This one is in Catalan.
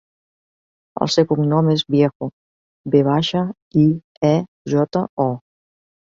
El seu cognom és Viejo: ve baixa, i, e, jota, o.